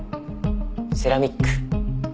セラミック。